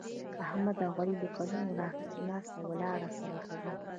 احمد او علي له کلونو راهسې ناسته ولاړه سره کوي.